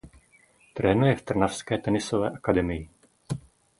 Trénuje v trnavské tenisové akademii.